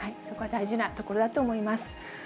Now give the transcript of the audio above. そこは大事なところだと思います。